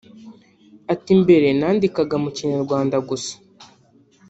Ati “mbere nandikaga mu Kinyarwanda gusa